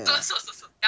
そうそうそうそう。